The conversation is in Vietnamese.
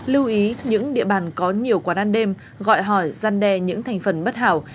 lưu ý những địa bàn có nhiều quán ăn đêm gọi hỏi gian đe những thành phần bất hảo